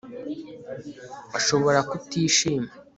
Ashobora kutishima